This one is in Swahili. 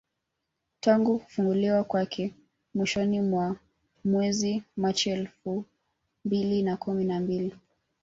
Tangu kufunguliwa kwake mwishoni mwa mwezi Machi elfu mbili na kumi na mbili